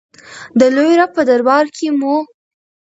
د لوی رب په دربار کې مو.